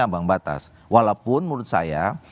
ambang batas walaupun menurut saya